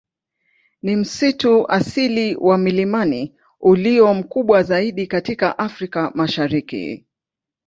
Ni msitu asili wa milimani ulio mkubwa zaidi katika Afrika Mashariki.